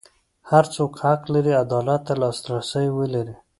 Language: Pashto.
هر څوک حق لري عدالت ته لاسرسی ولري.